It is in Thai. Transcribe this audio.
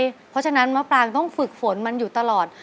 เพราะฉะนั้นมะปรางต้องฝึกฝนมันอยู่ตลอด